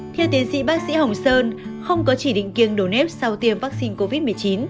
theo tiến sĩ bác sĩ hồng sơn không có chỉ định kiêng đổ nếp sau tiêm vaccine covid một mươi chín